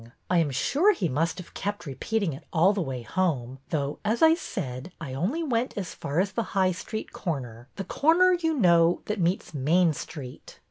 I am sure he must have kept repeating it all the way home, though, as I said, I only went as far as the High Street corner, — the corner, you know, that meets Main Street."